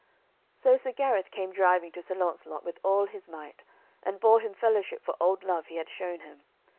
So Sir Gareth came driving to Sir Launcelot with all his might, and bore him fellowship for old love he had shown him.